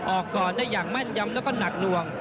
ออกก่อนได้อย่างแม่นยำแล้วก็หนักหน่วง